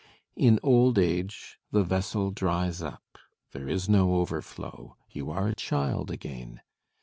In old age the vessel dries up: there is no overflow: you are a child again.